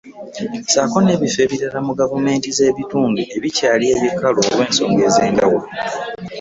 Ssaako n'ebifo ebirala mu gavumenti z'ebitundu ebkyali ebikalu olw'ensonga ez'enjawulo